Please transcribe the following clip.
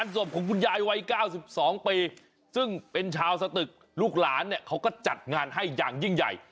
ศพของคุณยายวัย๙๒ปีซึ่งเป็นชาวสตึกลูกหลานเนี่ยเขาก็จัดงานให้อย่างยิ่งใหญ่